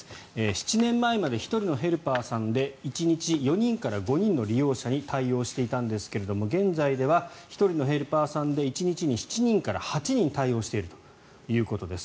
７年前まで１人のヘルパーさんで１日４人から５人の利用者に対応していたんですけども現在では１人のヘルパーさんで１日に７人から８人対応しているということです。